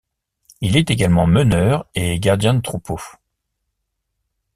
Il est également meneur et gardien de troupeau.